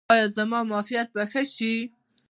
ایا زما معافیت به ښه شي؟